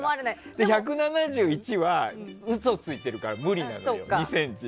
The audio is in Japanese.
でも、１７１は嘘ついてるから無理なのよ、２ｃｍ。